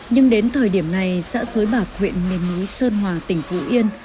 nhưng đến thời điểm này xã xối bạc huyện miền núi sơn hòa tỉnh phú yên